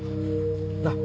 なっ？